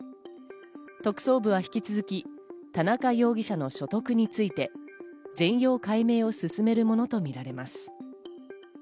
特捜部は引き続き田中容疑者の所得について全容解明を進めるものとみられます。